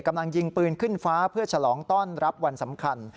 กำลังยิงปืนขึ้นฟ้าเพื่อฉลองต้อนรับวันสำคัญ